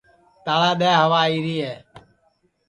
تاݪا دؔے ہوا آئیری ہے